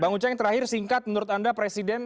bang uceng terakhir singkat menurut anda presiden